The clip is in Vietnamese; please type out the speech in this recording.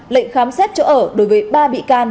lệnh khám xét chỗ ở đối với ba bị can